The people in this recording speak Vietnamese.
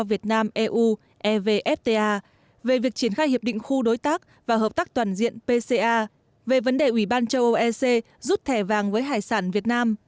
việt nam eu evfta về việc triển khai hiệp định khu đối tác và hợp tác toàn diện pca về vấn đề ủy ban châu âu ec rút thẻ vàng với hải sản việt nam